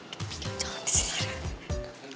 bibi jangan di sini